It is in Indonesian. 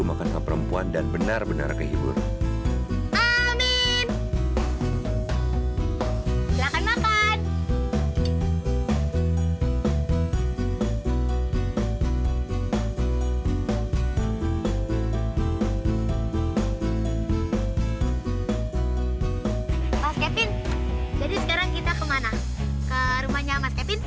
mas kevin jadi sekarang kita kemana ke rumahnya mas kevin